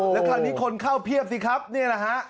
แล้วคราวนี้คนเข้าเพียบสิครับนี่แหละฮะ